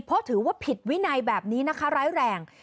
เพราะถือว่าผิดวินัยแบบนี้นะคะร้ายแรง